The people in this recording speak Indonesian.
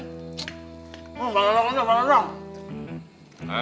neng banteng aja banteng aja